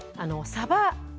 さば。